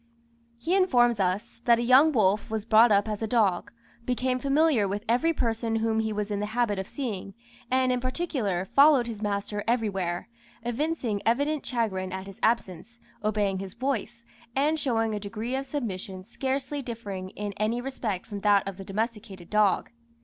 He informs us, that a young wolf was brought up as a dog, became familiar with every person whom he was in the habit of seeing, and in particular, followed his master everywhere, evincing evident chagrin at his absence, obeying his voice, and showing a degree of submission scarcely differing in any respect from that of the domesticated dog.